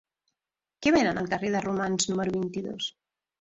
Què venen al carrer de Romans número vint-i-dos?